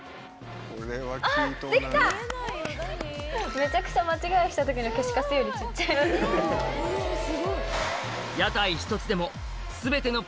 めちゃくちゃ間違いした時の消しカスより小っちゃい。